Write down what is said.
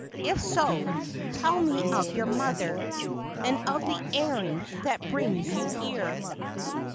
If so, tell me of your mother, and of the errand that brings you here."